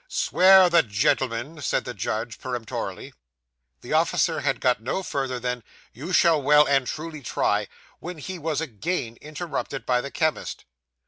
'Swear the gentleman,' said the judge peremptorily. The officer had got no further than the 'You shall well and truly try,' when he was again interrupted by the chemist.